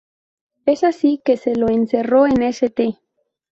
Es así que se lo encerró en St.